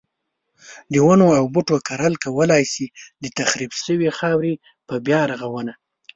د ونو او بوټو کرل کولای شي د تخریب شوی خاورې په بیا رغونه.